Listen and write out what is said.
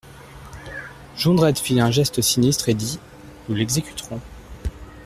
Jondrette fit un geste sinistre et dit : Nous l'exécuterons.